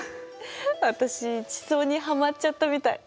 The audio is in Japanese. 私地層にハマっちゃったみたい。